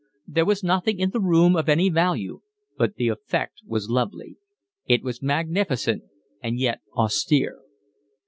There was nothing in the room of any value, but the effect was lovely. It was magnificent and yet austere.